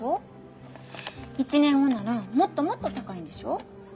１年後ならもっともっと高いんでしょ？